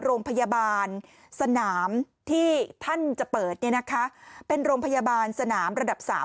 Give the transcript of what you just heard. โรงพยาบาลสนามที่ท่านจะเปิดเนี่ยนะคะเป็นโรงพยาบาลสนามระดับสาม